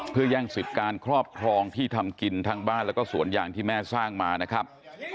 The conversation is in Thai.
เพื่อแย่งสิทธิ์การครอบครองที่ทำกินทั้งบ้านแล้วก็สวนยางที่แม่สร้างมานะครับ